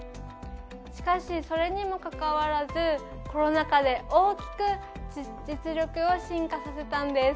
しかし、それにもかかわらずコロナ禍で大きく実力を進化させたんです。